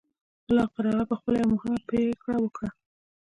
بالاخره هغه پخپله یوه مهمه پرېکړه وکړه